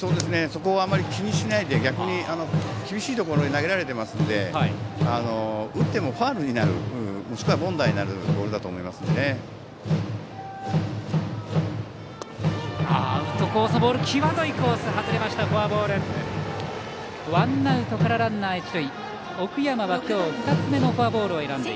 そこをあまり気にしないで逆に、厳しいところに投げられていますので打ってもファウルになるもしくは凡打になるボールだと思いますので。